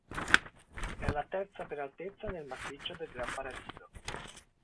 È la terza per altezza nel massiccio del Gran Paradiso.